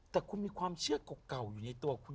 แต่คุณมีความเชื่อเก่าอยู่ในตัวคุณ